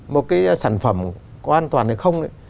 một cái sản phẩm có an toàn hay không